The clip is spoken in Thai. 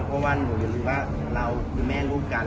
เพราะว่าเรามันเป็นแม่ลูกกัน